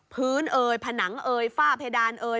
เอ่ยผนังเอ่ยฝ้าเพดานเอย